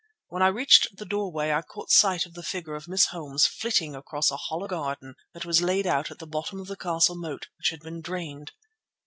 When I reached the doorway I caught sight of the figure of Miss Holmes flitting across a hollow garden that was laid out in the bottom of the castle moat which had been drained.